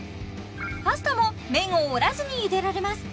パスタも麺を折らずにゆでられます